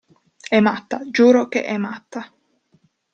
È matta, giuro che è matta!